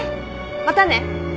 またね。